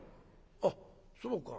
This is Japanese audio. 「あっそうか。